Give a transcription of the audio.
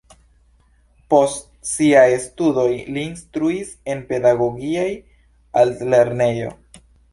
Post siaj studoj li instruis en pedagogia altlernejo.